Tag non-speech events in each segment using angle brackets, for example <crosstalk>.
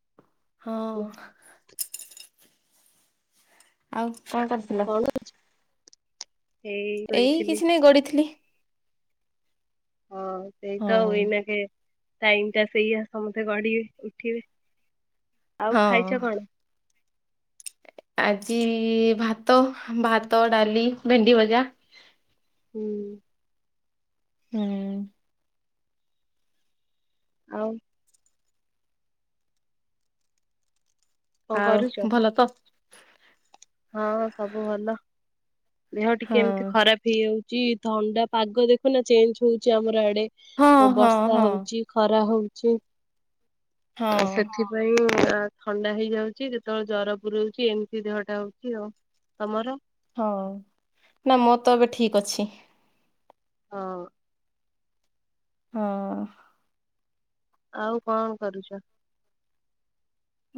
ହଁ। କଣ ଆଉ କଣ କରିଥିଲ? ଏଇ କିଛି ନାଇଁ ଗଡିଥିଲି। ହଁ। ଏଇତ ଆଉ ଏଇନା କେ। ଟାଇମ ଟା ସେଇଆ ସମସ୍ତେ ଗଡିବେ ଉଠିବେ। ଆଉ ହଁ ଖାଇଚ କଣ? ଆଜି ଭାତ, ଭାତ, ଡାଲି, ଭେଣ୍ଡି ଭଜା। ହୁଁ ହୁଁ ଆଉ କଣ କରୁଛ? ଆଉ ଭଲ ତ। ହଁ ସବୁ ଭଲ। ଦେହ ଟିକେ ହଁ ଏମତି ଖରାପ ହେଇଯାଉଚି। ଥଣ୍ଡା ପାଗ ଦେଖୁନା ଚେଞ୍ଜ ହଉଚି ଆମର ଆଡେ ହଁ ହଁ ବର୍ଷା ହଁ ହଉଚି। ଖରା ହଉଚି ଆଉ ହଁ ସେଥି ପାଇଁ ଥଣ୍ଡା ହେଇଯାଉଚି ଯେତେବେଳେ ଜର ପୁରଉଚି ଏମତି ଦେହଟା ହ ଉଚି ଆଉ ତମର? ହଁ ନାଁ ମୋର ତ ଏବେ ଠିକ ଅଛି। ହଁ। ହଁ ଆଉ କଣ କରୁଚ?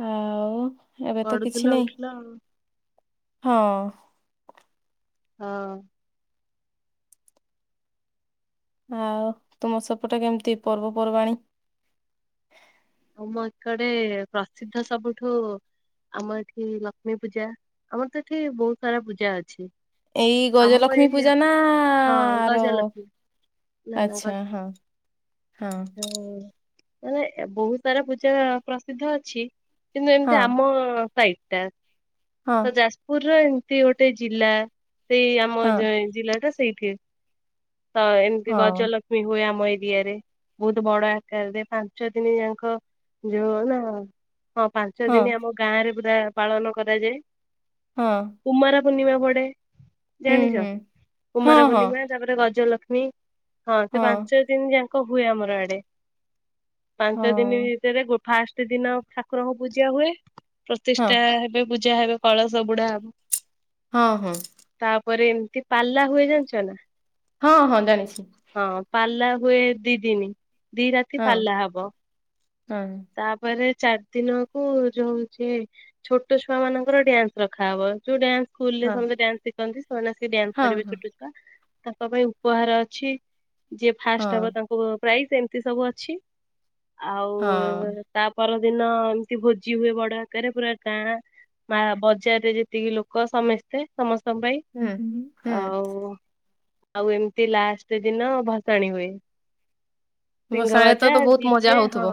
ଆଉ ଏବେ ତ କିଛି ଗଡୁଥିଲ ନାହିଁ ଉଠିଲ ଆଉ। ହଁ ହଁ ଆଉ ତୁମ ସେପଟେ କେମିତି ପର୍ବପର୍ବାଣୀ? ଆମ ଏକଡେ ପ୍ରସିଦ୍ଧ ସବୁଠୁ ଆମ ଏଠି ଲକ୍ଷ୍ମୀ ପୂଜା ଆମର ତ ଏଠି ବହୁତ ସାରା ପୂଜା ଅଛି। ଏଇ ଆମ ଗଜଲକ୍ଷ୍ମୀ ଏରିଆ ପୂଜା ନା ପଟେ। ହଁ ଆ ର। ଗଜଲକ୍ଷ୍ମୀ ଆଛା ହଁ। ହଁ ହ ମାନେ ବହୁତ ସାରା ପୂଜା ପ୍ରସିଦ୍ଧ ଅଛି। କିନ୍ତୁ ହଁ ଏମିତି ଆମ ସାଇଟା। ହଁ ତ ଯାଜପୁର ର ଏମିତି ଗୋଟେ ଜିଲ୍ଲା ସେଇ ଆମ ହଁ ଜିଲ୍ଲା ଟା ସେଇଠି। ତ ଏମିତି ହଁ। ଗଜ ଲ ଲକ୍ଷ୍ମୀ ହୁଏ ଆମ ଏରିଆରେ ବହୁତ ବଡ ଆକାରରେ ପାଞ୍ଚ ଦିନ ଯାଙ୍କ ଯୋଉ ନା ହଁ ପାଞ୍ଚ ହଁ ଦିନ ଆମ ଗାଁ ରେ ପୁରା ପାଳନ କରାଯାଏ। ହଁ। କୁମାର ପୂର୍ଣ୍ଣିମା ପଡେ ହୁଁ ଜାଣିଛ ହୁଁ ହଁ କୁମାର ହଁ ପୂର୍ଣ୍ଣିମା ତାପରେ ଗଜଲକ୍ଷ୍ମୀ ହଁ ସେ ପାଞ୍ଚ ଦିନ ଯାକ ହୁଏ ଆମର ଆଡେ। ହଁ ପାଞ୍ଚ ଦିନ ଭିତରେ ଗୋ ଫାଷ୍ଟ ଦିନ ଠାକୁରଙ୍କ ପୂଜା ହୁଏ ହଁ ପ୍ରତିଷ୍ଠା ହେବେ। ପୂଜା ହେବେ କଳସ ବୁଡା ହବ। ହଁ ହଁ। ତାପରେ ଏମତି ପାଲା ହୁଏ ଜାଣିଛ ନା। ହଁ ହଁ ଜାଣିଛି। ହଁ ପାଲା ହୁଏ ଦି ଦିନ ଦି ରାତି ହଁ ପାଲା ହବ। ହଁ। ତାପରେ ଚାରି ଦିନ କୁ ଯୋଉ ହଉଚି ଛୋଟ ଛୁଆ ମାନଙ୍କର ଡ୍ୟାନ୍ସ ରଖାହବ। ଯୋଉ ଡ୍ୟାନ୍ସ ସ୍କୁଲ ରେ ହଁ ସମସ୍ତେ ଡ୍ୟାନ୍ସ ଶିଖନ୍ତି ସେମାନେ ଆସି ଡ୍ୟାନ୍ସ ହଁ କରିବେ ହଁ ଛୋଟ ତାଙ୍କ ପାଇଁ ଉପହାର ଅଛି ଯିଏ ଫାଷ୍ଟ ହଁ ହବ ତାଙ୍କ ପୁଅ ପ୍ରାଇସ୍ ଏମିତି ସବୁ ଅଛି ଆଉ ହଁ ତା ପରଦିନ ଏମ୍ତି ଭୋଜି ହୁଏ ବଡ ଆକାରେ ପୁରା ଗାଁ ମା ବଜାରରେ ଯେତିକି ଲୋକ ସମେସ୍ତେ ସମସ୍ତଙ୍କ ପାଇଁ ହୁଁ-ହୁଁ। ଆଉ ଆଉ ଏମ୍ତି ଲାଷ୍ଟେ ଦିନ ଭସାଣି ହୁଏ। ଗୋସାଳେ ତ ସିନ୍ଘବାଜା ତ ବହୁତ ମଜା ଡିଜେ ହଁ। ହଉଥିବ।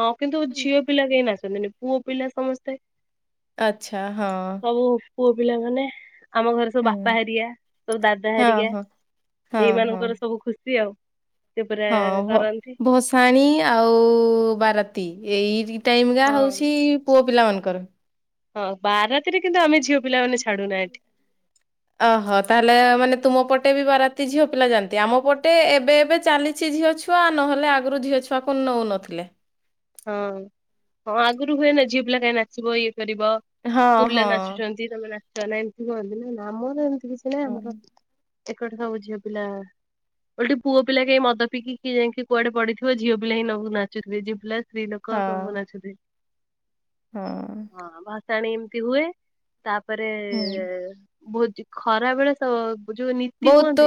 ହଁ କିନ୍ତୁ ଝିଅ ପିଲା କେହି ନାଚନ୍ତିନି, ପୁଅ ପିଲା ସମସ୍ତେ ଆଚ୍ଛା ହଁ। ସବୁ ପୁଅ ପିଲା ମାନେ ଆମ ଘରେ ସବୁ ହୁଁ ବାପା ହରିକା ସବୁ ଦାଦା ହଁ ହରିକା ହଁ ହଁ ଏଇ ହଁ ମାନଙ୍କର ସବୁ ଖୁସି ଆଉ, ସେ ପୁରା ହଁ କରନ୍ତି। <unintelligible> ଆଉ ବାରାତି ଏଇ <unintelligible> ହଁ ହଉଛି ପୁଅ ପିଲା ମାନଙ୍କର। ହଁ ବାରାତିରେ କିନ୍ତୁ ଆମେ ଝିଅ ପିଲା ମାନ ଛାଡୁନା ଏଠି। ଓହୋ, ତାହେଲେ ମାନେ ତୁମ ପଟେ ବି ବାରତି ଝିଅ ପିଲା ଯାଆନ୍ତି, ଆମ ପଟେ ଏବେ-ଏବେ ଚାଲି କିଛି ଝିଅ ଛୁଆ ନହେଲେ ଆଗରୁ ଝିଅ ଛୁଆକୁ ନେଉ ନଥିଲେ। ହଁ, ହଁ ଆଗରୁ ହୁଏନା ଝିଅ ପିଲା କାଇଁ ନାଚିବ ଇଏ କରିବ ହଁ <unintelligible> ପିଲା ହଁ ନାଚୁଚ <unintelligible> ତମେ ନାଚ ନା ଏମ୍ତି ହୁଅନ୍ତି, ନା-ନା ଆମର ଏମ୍ତି କିଛି ନାହିଁ ହଁ ଆମର <unintelligible> ସବୁ ଝିଅ ପିଲା ଓଲ୍ଟି ପୁଅ ପିଲା କେହି ମଦ ପିଇକି କିଏ ଯାଇଁକି କୁଆଡେ ପଡିଥିବ, ଝିଅ ପିଲା ହିଁ ନାଚୁଥିବେ ଝିଅ ପିଲା ସ୍ତ୍ରୀ ଲୋକ ସବୁ ହଁ। ନାଚନ୍ତି। ହଁ। ହଁ ଭସାଣି ଏମ୍ତି ହୁଏ, ତାପରେ ହୁଁ। ଭୋଜି ଖରାବେଳେ ବହୁତୁ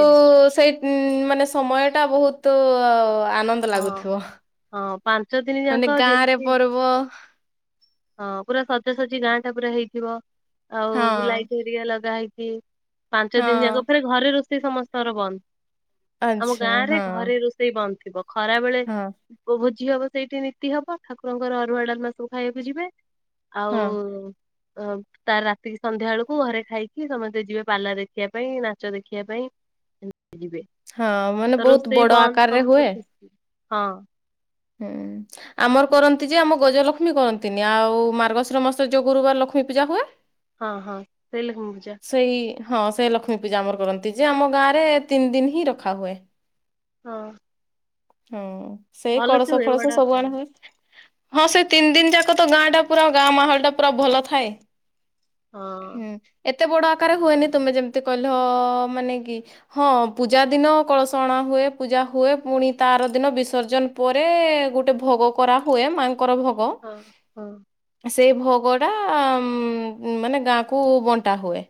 ସେଇ ମାନେ ସମୟଟା ବହୁତୁ ଆନ ନ୍ଦ ହଁ ଲାଗୁଥିବ, ହଁ ପାଞ୍ଚ ଦିନ ଯାକ ମାନେ ଗାଁରେ ଯେମିତି ପର୍ବ ହଁ ପୁରା ସଜାସଜି ଗାଁ ଟା ପୁରା ହେଇଥିବ, ହଁ। ଆଉ ଲାଇଟି ହେରିକା ଲଗା ହେଇଚି। ପାଞ୍ଚ ଦିନ ଯାକ ହଁ ଫେରେ ଘରେ ରୋଷେଇ ସମସ୍ତଙ୍କର ବନ୍ଦ, ଆମ ଆଚ୍ଛା ଗାଁ ରେ ହଁ ଘରେ ରୋ ସେଇ ବନ୍ଦ ଥିବ ଖରାବେଳେ ହଁ ଭୋଜି ହବ ସେଇଠି ନୀତି ହବ ଠାକୁରଙ୍କର ଅରୁଆ ଡାଲମା ସବୁ ଖାଇବା କୁ ଯିବେ, ଆଉ ହଁ। ଅଁ ତାରେ ରାତିକି ସନ୍ଧ୍ୟା ବେଳୁକୁ ଘରେ ଖାଇକି ସମସ୍ତେ ଯିବେ ପାଲା ଦେଖିଆ ପାଇଁ, ନାଚ ଦେଖିଆ ପାଇଁ ହଁ ମାନେ ତ ବହୁତ ରୋଷେଇ ବଡ ବନ୍ଦ ଆକାରରେ ହୁଏ <inaudible> ହୁଁ। ଆମର୍ କରନ୍ତି ଯେ ଆମ ଗଜଲକ୍ଷ୍ମୀ କରନ୍ତିନି, ଆଉ ମାର୍ଗଶିର ମାସରେ ଯୋଉ ଗୁରୁବାର ଲକ୍ଷ୍ମୀ ପୂଜା ହୁଏ ହଁ-ହଁ ସେ <unintelligible> ସେଇ ହଁ ସେ ଲକ୍ଷ୍ମୀ ପୂଜା ଆମର କରନ୍ତି ଯେ ଆମ ଗାଁ ରେ ତିନି ଦିନ୍ ହିଁ ରଖା ହୁଏ। ହଁ। ହଁ ସେଇ ଭଲସେ କଳସ ହୁଏ ବଡ ଫଳସ ସବୁ ଅଣା ଆକାରରେ ହୁଏ। ହଁ ସେ ତିନ୍ ଦିନ୍ ଯାକ ତ ଗାଁ ଟା ପୁରା ଗାଁ ମାହଲ୍ ଟା ପୁରା ଭଲ ଥାଏ। ହଁ ହୁଁ, ଏତେ ବଡ ଆକାରରେ ହୁଏନି ତୁମେ ଯେମ୍ତି କହିଲ ମାନେ କି ହଁ ପୂଜା ଦିନ କଳସ ଅଣା ହୁଏ, ପୂଜା ହୁଏ ପୁଣି ତା ଆର ଦିନ ବିସର୍ଜନ୍ ପରେ ଗୋଟେ ଭୋଗ କରା ହୁଏ, ମା ଙ୍କର ଭୋ ଗ। ହଁ ହଁ ସେଇ ଭୋଗଟା ମାନେ ଗାଁକୁ ବଣ୍ଟା ହୁଏ,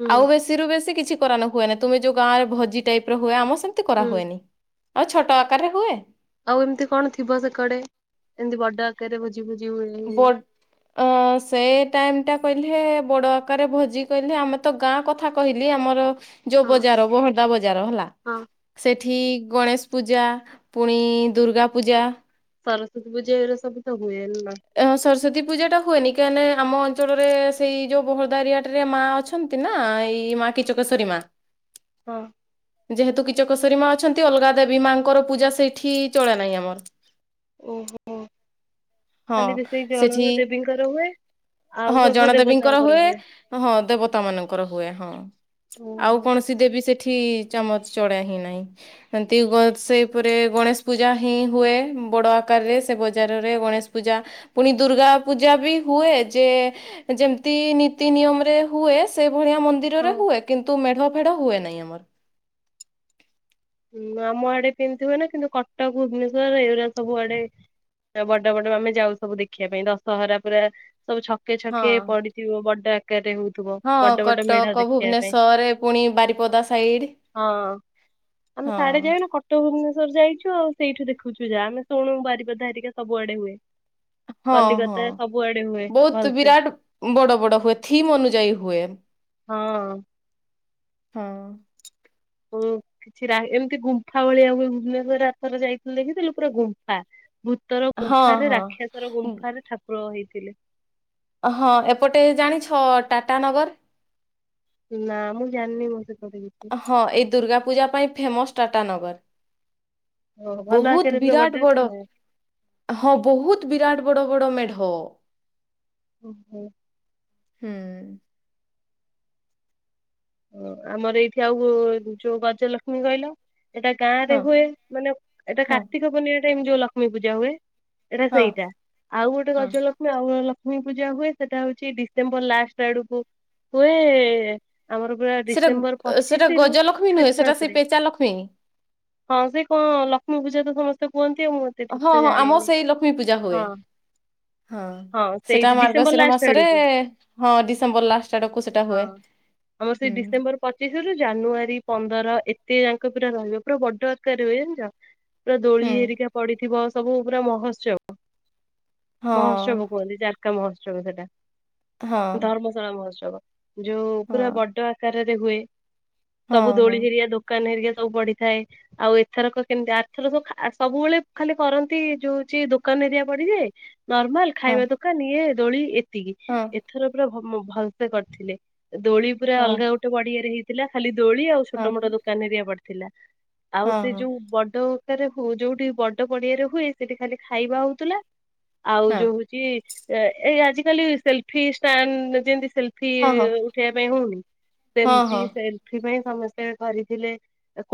ହୁଁ ଆଉ ବେସି ରୁ ବେଶୀ କିଛି କରା ନ ହୁଏନି ତୁମେ ଯୋଉ ଗାଁରେ ଭଜି ଟାଇପ୍ ର ହୁଏ, ଆମ ସେମ୍ତି କରା ହୁଁ ହୁଏନି। ଆଉ ଛୋଟ ଆକାରରେ ହୁଏ? ଆଉ ଏମ୍ତି କଣ ଥିବ ସେକଡେ ଏମ୍ତି ବଡ ଆକାରରେ ଭୋଜି ଭୋଜି ହୁଏନି। ଅଁ ସେ ଟାଇମ୍ ଟା କହିଲେ ବଡ ଆକାରରେ ଭୋଜି କହିଲେ ଆମ ତ ଗାଁ କଥା କହିଲି ଆମର ଯୋଉ ହଁ ବଜାର <unintelligible> ମୀନା ବଜାର ହେଲା ହଁ ସେଠି ଗଣେଶ୍ ପୂଜା ପୁଣି ଦୁର୍ଗା ପୂଜା ସରସ୍ଵତୀ ପୂଜା ଏଉରା ସବୁ ତ ହୁଏନି ନା। ଏ ସରସ୍ଵତୀ ପୂଜାଟା ହୁଏନି କାହିଁ ନା ଆମ ଅଞ୍ଚଳରେ ସେଇ ଯୋଉ ବୋହୋଳଦା ଏରିଆଟାରେ ମା ଅଛ ଅଛନ୍ତି ନା ଏଇ ମା ହଁ ହଁ କିଚକଶ୍ଵରୀ ମା। ହଁ ଯେହେତୁ କିଚକଶ୍ଵରୀ ମା ଅଛନ୍ତି ଅଲଗା ଦେବୀ ମାଙ୍କର ପୂଜା ସେଇଠି ଚଳା ନାଇଁ ଆମର। ଓହୋ ହଁ ଖାଲି ବି ସେଇ ଜଣ ସେଠି ଦେବୀଙ୍କର ହୁଏ। ଆଉ ହଁ ସବୁ ଜଣଦେବୀଙ୍କର ଦେବତାଙ୍କର ହୁଏ ହଁ ଦେବତା ମାନଙ୍କର ହୁଏ ହଁ ଆଉ ଓହୋ କଣସି ସି ଦେବି ସେଠି ଚାମଚ ଚଡା ହିଁ ନାଇଁ। ହେମତି ଗ ସେଇପରେ ଗଣେଶ ପୂଜା ହିଁ ହୁଏ ବଡ ଆକାରେ ସେ ବଜାରରେ ଗଣେଶ୍ ପୂଜା ପୁଣି ଦୁର୍ଗା ପୂଜା ବି ହୁଏ ଯେ ଯେମିତି ନୀତି ନିୟମରେ ହୁଏ ସେ ଭଳିଆ ମନ୍ଦିରରେ ହଁ। ହୁଏ। କିନ୍ତୁ ମେଢ ଫେଢ ହୁଏ ନାଇ ଆମର୍। ହୁଁ ଆମ ଆଡେ ସେମିତି ହୁଏନା କିନ୍ତୁ କଟକ ଭୁବନେଶ୍ଵର ଏଗୁରା ସବୁଆଡେ ବଡ ବଡ ଆମେ ଯାଉ ସବୁ ଦେଖିବା ପାଇଁ ଦଶହରା ପୁରା ସବୁ ଛକେ ହଁ ଛକେ ପଡିଥିବ ବଡ ଆ ଆକାରେ ହଉଥିବ ହଁ ବଡ ବଡ ମେଢା କଟକ ଦେଖିବା ପାଇଁ ଭୁବନେଶ୍ଵର ପୁଣି ବାରିପଦା ସାଇଡ ହଁ। ଆମେ ହଁ ସାଡେ ଯାଇୁନୁ କଟ୍ ଠିକ୍ ଭୁବନେଶ୍ୱର ଯାଇଚୁ ଆଉ ସେଇଠୁ ଦେଖୁଚୁ ଯା, ଆମେ ଶୁଣୁ ବାରିପଦା ହେରିକା ସବୁଆଡେ ହୁଏ। ହଁ କଲିକତା ହଁ। ସବୁଆଡେ ହୁଏ ବହୁତ ଭଲ୍ ସେ। ବିରାଟ ବଡ ବଡ ହୁଏ ଥିମ୍ ଅନୁଯାୟୀ ହୁଏ। ହଁ। ହଁ। ଓ କିଛି ରାହି ଏମିତି ଗୁମ୍ଫା ଭଳିଆ ହୁଏ ଭୁବନେଶ୍ୱରରେ ଆମ୍ ଥରେ ଯାଇଥିଲୁ ଦେଖିଥିଲୁ ପୁରା ଗୁମ୍ଫା। ଭୂତର ହଁ ଗୁମ୍ଫାରେ ହଁ ରାକ୍ଷସର ଗୁମ୍ଫାରେ ଠାକୁର ହେଇଥିଲେ। ହଁ ଏପଟେ ଜାଣିଛ ଟାଟାନଗର? ନା ମୁଁ ଜାଣିନି ମୋତେ କୁଆଡେ କିଛି। ହଁ ଏଇ ଦୁର୍ଗା ପୂଜା ପାଇଁ ଫେମସ୍ ଟାଟା ନଗର୍। ଓହୋ ଭଲ ବହୁତ୍ ଆକାରରେ ପୁରା ବିରାଟ ବଡ ଆକାରରେ ହଁ ବହୁତ୍ ବିରାଟ ବଡ ବଡ ମେଢ। ଉଁ ହୁଁ। ହୁଁ। ଓ ଆମର ଏଇଠି ଆଉ ଯୋଉ ଯୋ ଗଜଲକ୍ଷ୍ମୀ କହିଲ ଏଟା ଗାଁ ରେ ହଁ ହୁଏ ମାନେ ଏଟା ହଁ କାର୍ତ୍ତିକ ପୂର୍ଣ୍ଣିମା ଟାଇମ୍ ଯୋ ଲକ୍ଷ୍ମୀ ପୂଜା ହୁଏ ଏରା ହଁ ସେଇଟା ଆଉ ଗୋଟେ ହଁ। ଗଜଲକ୍ଷ୍ମୀ ମି ଆଉ ଗୋରେ ଲକ୍ଷ୍ମୀପୂଜା ହୁଏ ସେଟା ହଉଚି ଡିସେମ୍ବର ଲାଷ୍ଟ ଆଡୁକୁ ହୁଏ ଆମର ପୁରା ସେଟା ଡିସେମ୍ବର ସେଟା ପଚିଶି ରୁ ଗଜଲକ୍ଷ୍ମୀ ନୁହେଁ ସେଟା ଖ୍ରୀଷ୍ଟମାସ ସେଇ ରେ ପେଚା ଲକ୍ଷ୍ମୀ। ହଁ ସେ କଁ ଲକ୍ଷ୍ମୀପୂଜା ତ ସମସ୍ତେ କୁହନ୍ତି ଆଉ ମୁଁ ଏତେ ଠିକ ହଁ ସେ ହଁ ଆମ ଜାଣିନି। ସେଇ ଲକ୍ଷ୍ମୀପୂଜା ହୁଏ ହଁ ହଁ। ସେଟା ସେଇଠି ଡିସେମ୍ବର ମାର୍ଗଶିର ଲାଷ୍ଟ ମାସରେ ଆଡକୁ ହଁ ଡିସେମ୍ବର ଲାଷ୍ଟ ଆଡକୁ ସେଟା ହଁ ହୁଏ। ଆମର ସେଇ ହୁଁ। ଡିସେମ୍ବର ପଚିଶି ରୁ ଜାନୁଆରୀ ପନ୍ଦର ଏତେ ଯାଙ୍କ ପୁରା ରହିବ ପୁରା ବଡ ଆକାରରେ ହୁଏ ଜାଣିିଚ। ପୁରା ଦୋଳି ହୁଁ। ଏରିକା ପଡିଥିବ ସବୁ ପୁରା ମହୋତ୍ସ-ବ ହଁ ମହୋତ୍ସବ କୁହନ୍ତି ଯାର୍ କା ମହୋତ୍ସବ ସେଟା ହଁ ଧର୍ମଶାଳା ମହୋତ୍ସବ ଯୋଉ ପୁରା ହଁ ବଡ ଆ କାରରେ ହୁଏ ହଁ ସବୁ ହଁ ଦୋଳି ହେରିଆ ଦୋକାନ ହେରିକା ସବୁ ପଡ଼ିଥାଏ। ଆଉ ଏଥରକ କେମିତି ଆଥର ସ ସବୁବେଳେ ଖାଲି କରନ୍ତି ଯୋଉଚି ଦୋକାନ ହେରିଆ ପଡିଯାଏ ନର୍ମାଲ୍ ହଁ ଖାଇବା ଦୋକାନ ଇଏ ଦୋଳି ଏତିକି। ହଁ। ଏଥର ପୁରା ଭ ଭଲ ସେ କରିଥିଲେ ଦୋଳି ପୁରା ହଁ ଅଲଗା ଗୋଟେ ପଡିଆରେ ହେଇଥିଲା ଖାଲି ଦୋଳି ଆଉ ହଁ ଛୋଟ ମୋଟ ଦୋକାନ ହେରିକା ପଡି ଥିଲା ଆଉ ହଁ ସେ ଯୁ ବଡ ହଉ ଯଉଠି ବଡ ପଡିଆରେ ହୁଏ ସେଠି ଖାଲି ଖାଇବା ହଉଥିଲା। ଆଉ ଯୁ ହଉଚି ଏ ଆଜିକାଲି ସେଲଫିଷ୍ଟାଣ୍ଡ ଯେମତି ସେ ଫି ହଁ ହଁ ହଁ ହଁ ହଁ ହଁ ହଁ ଉଠେଇବା ପାଇଁ ହଉନି ହଁ ସେମତି ସେ। ସେଥି ପାଇଁ ସମସ୍ତେ କରିଥିଲେ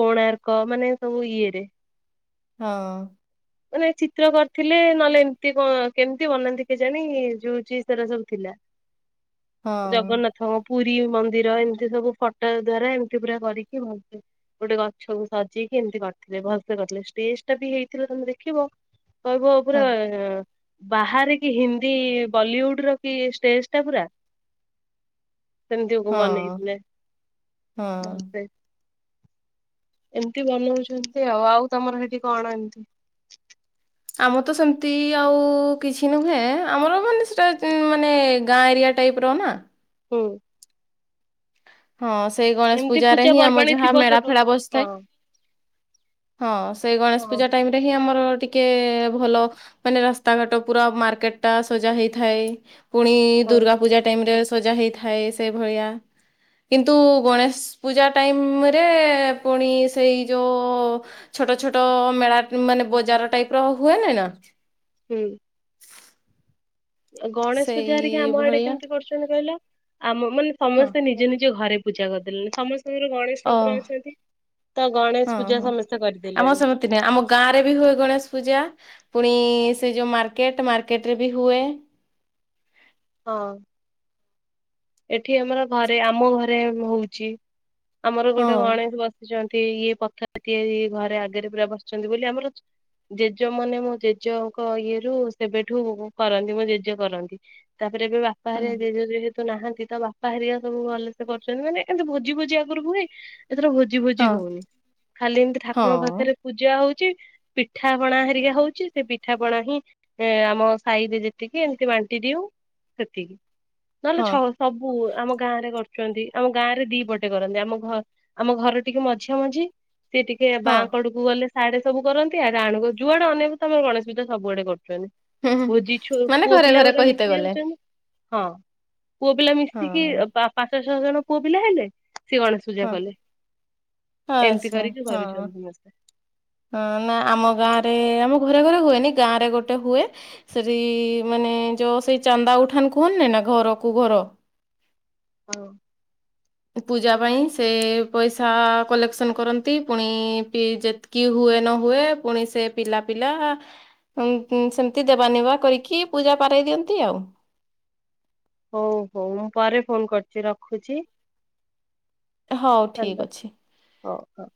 କୋଣାର୍କ ମାନେ ସବୁ ଇଏରେ। ହଁ। ମାନେ ଚିତ୍ର କରିଥିଲେ ନହେଲେ ଏମିତି କଁ କେମିତି ବନାନ୍ତି କେଜାଣି ଯଉ ଚିଜିସ୍ଉରା ସବୁ ଥିଲା। <unintelligible> ଜଗନ୍ନାଥଙ୍କ ପୁରୀ ମନ୍ଦିର ଏମିତି ସବୁ ଫଟୋ ଦ୍ଵାରା ଏମିତି ପୁରା କରିକି ଭୋଗ ଗୋଟେ ଗଛକୁ ସଜେଇକି ଏମତି କରିଥିଲେ ଭଲସେ କରିଥିଲେ ଷ୍ଟେଜ ଟା ବି ହେଇଥିଲା ତମେ ଦେଖିବ କହିବ ପୁରା ବାହାରେ କି ହିନ୍ଦୀ ବଲିଉଡ ର କି ଷ୍ଟେଜ ଟା ପୁରା। ସେମିତିକୁ ହଁ ବନେଇଥିଲେ ହଁ। ମସ୍ତେ। ଏମିତି ବନଉଛନ୍ତି ଆଉ ତମର ହେଇଠି କଣ ଏମି ଆମର ତ ସେମିତି ଆଉ କିଛି ନୁହେଁ ଆମର ମାନେ ସେ ମାନେ ଗାଁ ଏରିଆ ଟାଇପର‌ ନା। ହୁଁ। ହଁ ସେଇ ଗଣେଶ ଏମିତି ପୂଜାରେ ପୂଜା ହିଁ ଆମ ପର୍ବାଣୀ ଯାହା ଥିବ ମେଳା ଛୋଟ ଫେଳା ହଁ ବସିଥାଏ। ହଁ ସେଇ ଗଣେଶ ହଁ ପୂଜା ଟାଇମ ରେ ହିଁ ଆମର ଟିକେ ଭଲ ମାନେ ରାସ୍ତାଘାଟ ପୁରା ମାର୍କେଟ ଟା ସଜା ହେଇଥାଏ। ପୁଣି ହଁ ଦୁର୍ଗା ପୂଜା ଟାଇମ୍ ରେ ସଜା ହେଇଥାଏ ସେ ଭଳିଆ କିନ୍ତୁ ଗଣେଶ ପୂଜା ଟାଇମରେ ପୁଣି ସେଇ ଯୋ ଛୋଟ ଛୋଟ ମେଳା ମାନେ ବଜାର ଟାଇପ ର ହୁଏ ନି ନା? ହୁଁ। ଗଣେଶ ପୂଜା ହେରିକା ସେଇ ଆମ ଆଡେ ଭଳିଆ କେମିତି କରୁଛନ୍ତି କହିଲ ଆମ ମାନେ ହଁ ସମସ୍ତେ ନିଜ ନିଜ ଘରେ ପୂଜା କରିଦେଲେଣି ସମସ୍ତଙ୍କର ଗଣେଶ ଓ ଠାକୁର ଅଛନ୍ତି ତ ହଁ ଗଣେଶ ପୂଜା ହଁ ସମସ୍ତେ ଆମ କରିଦେଲେଣି। ସେମିତି ଆମ ଗାଁରେ ବି ହୁଏ ଗଣେଶ ପୂଜା। ପୁଣି ସେ ଯଉ ମାର୍କେଟ ମାର୍କେଟ ରେ ବି ହୁଏ। ହଁ। ଏଠି ଆମର ଘରେ ଆମ ଘରେ ହଉଚି ଆମର ହଁ ଗୋଟେ ଗଣେଶ ବ ବସିଛନ୍ତି ଇଏ ପଥର ତିଆରି ଘରେ ଆଗରେ ପୁରା ବସିଛନ୍ତି ବୋଲି ଆମର ଜେଜେ ମାନେ ମୋ ଜେଜେଙ୍କ ଇଏରୁୁ ସେବେଠୁ କରନ୍ତି ମୋ ଜେଜେ କରନ୍ତି। ତାପରେ ଏବେ ବାପା ହଁ ହେରିକା ଜେଜେ ଯେହେ ନାହାଁନ୍ତି ତ ବାପା ହେରିକା ସବୁ ଭଲସେ କରୁଛନ୍ତି ମାନେ ଏମିତି ଭୋଜି ଫୋଜି ଆଗରୁ ହୁଏ ଏଥର ଭୋ ଭୋଜି ଫୋଜି ହଁ ହଉନି ଖାଲି ଏମିତି ଠାକୁରଙ୍କ ହଁ। ପାଖରେ ପୂଜା ହଉଚି। ପିଠା ପଣା ହେରିକା ହଉଚି ସେ ପିଠା ପଣା ହିଁ ଏ ଆମ ସାହିରେ ଯେତିକି ଏମିତି ବାଣ୍ଟି ଦିଉ ସେତିକି। ହଁ ନହେଲେଛ ସବୁ ଆମ ଗାଁ ରେ କରୁଛନ୍ତି ଆମ ଗାଁ ରେ ଦିପଟେ କରନ୍ତି ଆମ ଘ ଆମ ଘର ଟିକେ ମଝିଆ ମଝି ସେ ଟିକେ ହଁ ବାଁ କଡୁକୁ କୁ ଗଲେ ସିଆଡେ ସବୁକରନ୍ତି ଇଆଡେ ଆଣୁ ଯୁଆଡେ ଅନେଇବୁ ତ ଗଣେଶ ପୂଜା ସବୁଆଡେ କରୁଛନ୍ତି। ହୁଁ ହୁଁ ଭୋଜି ଛୋ ମାନେ ପୁଅ ଘରେ ପିଲା ଘରେ ଗୁରା କହିତେ ମିଶି ଗଲେ ଯାଉଛନ୍ତି ହଁ। ପୁଅପିଲା ହଁ ମିଶିକି ପାଞ୍ଚ ଛଅଜଣ ପୁଅପିଲା ହେଲେ ସେ ଗଣେଶ ପୂଜା ହଁ କଲେ ଏମିତି ଆଚ୍ଛା କରିକି ହଁ କରୁଛନ୍ତି ସମସ୍ତେ। ହଁ ନା ଆମ ଗାଁରେ ଆମ ଘରେ ଘରେ ହୁଏନି ଗାଁ ରେ ଗୋଟେ ହୁଏ। ସେଠି ମାନେ ଯେଉଁ ସେଇ ଚାନ୍ଦା ଉଠାନ୍ କୁହନ୍ ନେ ନା ଘରକୁୁ ଘର ହଁ <inaudible> ପୂଜା ପାଇଁ ସେ ପଇସା କଲେକ୍ସନ କରନ୍ତି ପୁଣି ପି ଯେ କି ହୁଏ ନ ହୁଏ ପୁଣି ସେ ପିଲା ପିଲା ସେମିତି ଦେବା ନେବା କରିକି ପୂଜା ପାରେଇ ଦିଅନ୍ତି ଆଉ। ହଉ ହଉ ମୁଁ ପରେ ଫୋନ କରୁଚି ରଖୁଚି। ହଉ ଠିକ୍ ଅଛି। ଓ ହ।